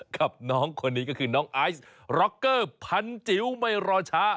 กับน้องคนนี้ก็คือน้องไอซ์ร็อกเกอร์พันจิ๋วไม่รอช้า